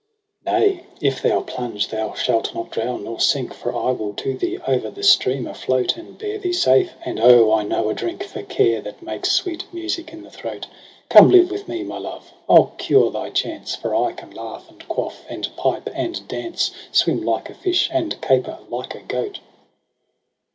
AUGUST 139 18 ' Nay, if thou plunge thou shalt not drown nor sink, For I will to thee o'er the stream afloat, And bear thee safe ; and O I know a drink For care, that makes sweet music in the throat. Come live with me, my love ; I'll cure thy chance : For I can laugh and quafl^ and pipe and dance. Swim like a fish, and caper like a goat.'